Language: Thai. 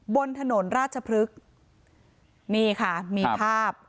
บนถนนราชพฤกษ์นี่ค่ะมีภาพ